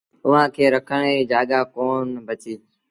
اُئآݩٚ کي رکڻ ريٚ جآڳآ ڪون بچي